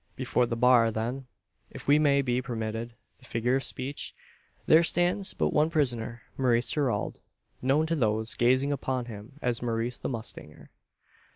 Before the bar, then if we may be permitted the figure of speech there stands but one prisoner, Maurice Gerald known to those gazing upon him as Maurice the mustanger.